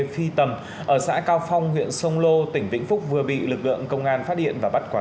phi tầm ở xã cao phong huyện sông lô tỉnh vĩnh phúc vừa bị lực lượng công an phát hiện và bắt quả